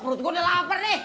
perut gue udah lapar deh